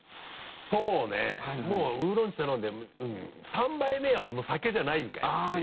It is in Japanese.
そうねもうウーロン茶頼んで「３杯目は酒じゃないんかい」っていう。